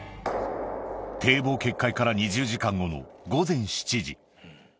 堤防決壊から２０時間後の午前７時。